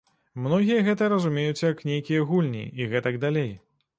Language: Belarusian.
Многія гэта разумеюць, як нейкія гульні і гэтак далей.